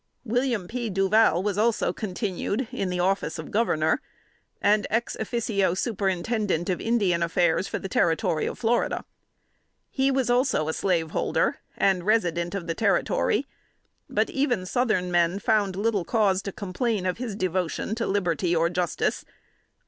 William P. Duval was also continued in the office of Governor, and ex officio Superintendent of Indian Affairs for the Territory of Florida. He was also a slaveholder, and resident of the territory; but even Southern men found little cause to complain of his devotion to liberty or justice.